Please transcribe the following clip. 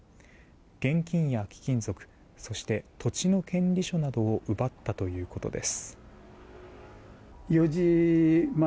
現金や貴金属そして、土地の権利書などを奪ったということです。